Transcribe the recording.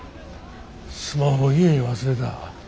スマホ家に忘れた。